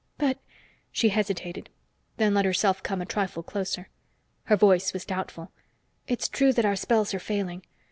"But " She hesitated and then let herself come a trifle closer. Her voice was doubtful. "It's true that our spells are failing.